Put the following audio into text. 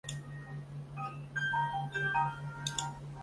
珠光月华螺为阿地螺科月华螺属的动物。